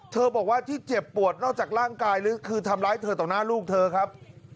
บอกว่าที่เจ็บปวดนอกจากร่างกายหรือคือทำร้ายเธอต่อหน้าลูกเธอครับ